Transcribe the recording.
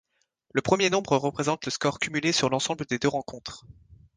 Le premier nombre représente le score cumulé sur l'ensemble des deux rencontres.